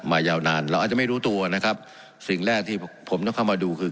ยาวนานเราอาจจะไม่รู้ตัวนะครับสิ่งแรกที่ผมต้องเข้ามาดูคือ